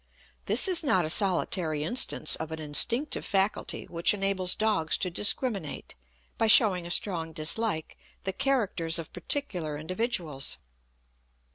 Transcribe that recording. This is not a solitary instance of an instinctive faculty which enables dogs to discriminate, by showing a strong dislike, the characters of particular individuals.